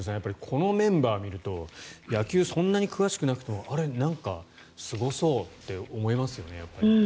このメンバーを見ると野球、そんなに詳しくなくてもあれ、なんかすごそうって思いますよね。